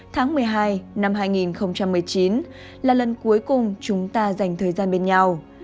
tháng một mươi hai năm hai nghìn một mươi chín là lần cuối cùng chúng ta dành thời gian bên nhau